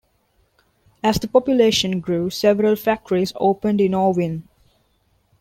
As the population grew, several factories opened in Orvin.